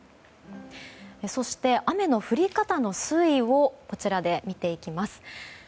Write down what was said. そして、雨の降り方の推移をこちらで見ていきます。